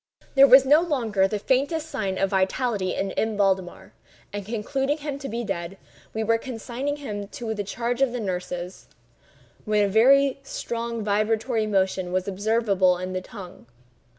There was no longer the faintest sign of vitality in M. Valdemar; and concluding him to be dead, we were consigning him to the charge of the nurses, when a strong vibratory motion was observable in the tongue.